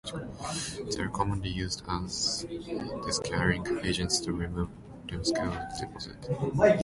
They are commonly used as descaling agents to remove limescale deposits.